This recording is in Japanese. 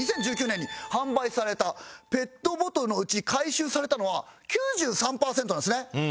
２０１９年に販売されたペットボトルのうち回収されたのは９３パーセントなんですね。